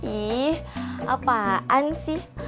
ih apaan sih